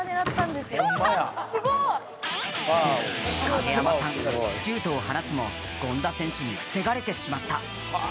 影山さん、シュートを放つも権田選手に防がれてしまった。